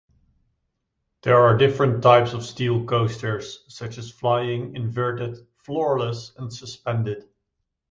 There are different types of steel coasters, such as flying, inverted, floorless, and suspended.